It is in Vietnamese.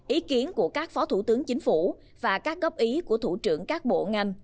ý kiến của các phó thủ tướng chính phủ và các góp ý của thủ trưởng các bộ ngành